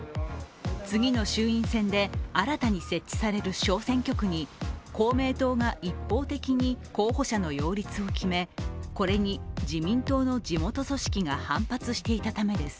次の衆院選で新たに設置される小選挙区に公明党が一方的に候補者の擁立を決め、これに、自民党の地元組織が反発していたためです。